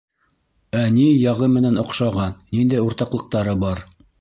Ә ни яғы менән оҡшаған, ниндәй уртаҡлыҡтары бар?